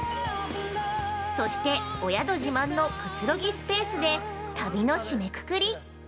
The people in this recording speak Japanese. そしてお宿自慢のくつろぎスペースで旅の締めくくり。